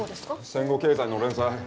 戦後経済の連載。